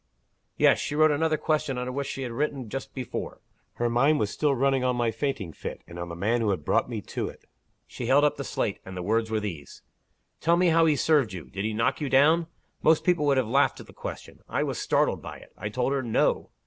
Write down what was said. "Yes. She wrote another question under what she had written just before. Her mind was still running on my fainting fit, and on the 'man' who had 'brought me to it.' She held up the slate; and the words were these: 'Tell me how he served you, did he knock you down?' Most people would have laughed at the question. I was startled by it. I told her, No.